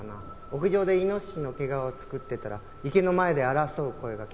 屋上でイノシシの毛皮を作ってたら池の前で争う声が聞こえてきて。